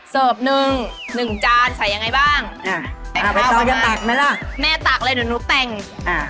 เสิร์ฟหนึ่งหนึ่งจานใส่ยังไงบ้างอ่าแม่ตักเลยเดี๋ยวหนูแต่งอ่า